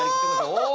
お！